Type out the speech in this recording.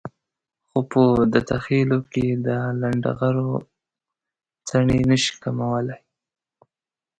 خو په دته خېلو کې د لنډغرو څڼې نشي کمولای.